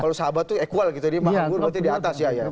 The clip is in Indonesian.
kalau sahabat itu equal gitu dia maha guru berarti di atas ya ya